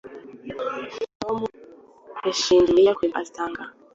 Tom yashinje Mariya kwiba astyng